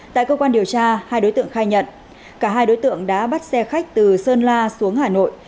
tại cơ quan điều tra hai đối tượng khai nhận cả hai đối tượng đã bắt xe khách từ sơn la xuống hà nội